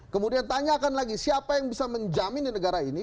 kemudian tanyakan lagi siapa yang bisa menjamin di negara ini